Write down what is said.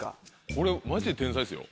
これマジで天才ですよ。